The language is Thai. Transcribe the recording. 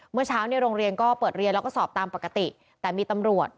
เมื่อเช้าเนี่ยโรงเรียนก็เปิดเรียนแล้วก็สอบตามปกติแต่มีตำรวจ